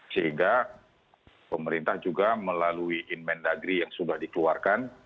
sehingga pemerintah juga melalui inmen dagri yang sudah dikeluarkan